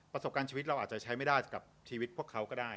ชีวิตเราอาจจะใช้ไม่ได้กับชีวิตพวกเขาก็ได้